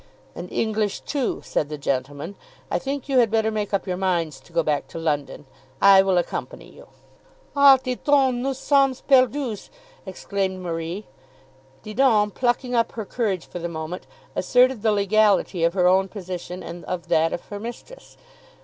"And English too," said the gentleman. "I think you had better make up your minds to go back to London. I will accompany you." "Ah, Didon, nous sommes perdues!" exclaimed Marie. Didon, plucking up her courage for the moment, asserted the legality of her own position and of that of her mistress.